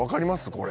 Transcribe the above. これ。